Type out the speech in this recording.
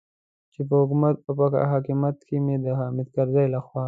چې په حکومت او په حاکمیت کې مې د حامد کرزي لخوا.